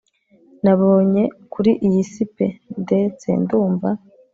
nabonye kuri iyi si pe, ndetse ndumva